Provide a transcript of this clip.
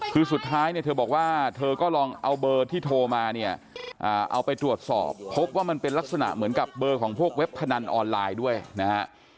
คือสุดท้ายเนี่ยเธอบอกว่าเธอก็ลองเอาเบอร์ที่โทรมาเนี่ยเอาไปตรวจสอบพบว่ามันเป็นลักษณะเหมือนกับเบอร์ของพวกเว็บพนันออนไลน์ด้วยนะฮะ